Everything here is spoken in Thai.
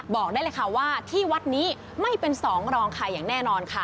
บอกได้เลยค่ะว่าที่วัดนี้ไม่เป็นสองรองใครอย่างแน่นอนค่ะ